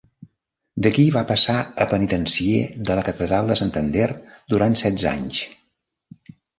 D'aquí va passar a penitencier de la catedral de Santander durant setze anys.